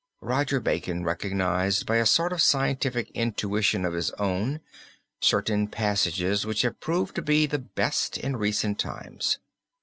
Roger Bacon recognized by a sort of scientific intuition of his own, certain passages which have proved to be the best in recent times.